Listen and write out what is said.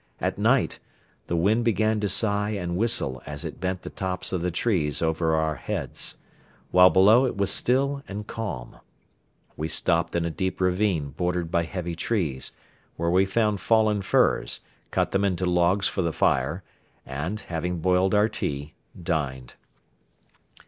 At night the wind began to sigh and whistle as it bent the tops of the trees over our heads; while below it was still and calm. We stopped in a deep ravine bordered by heavy trees, where we found fallen firs, cut them into logs for the fire and, after having boiled our tea, dined.